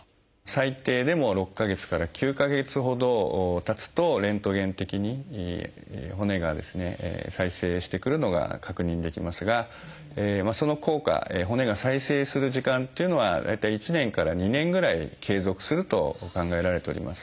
最低でも６か月から９か月ほどたつとレントゲン的に骨がですね再生してくるのが確認できますがその効果骨が再生する時間っていうのは大体１年から２年ぐらい継続すると考えられております。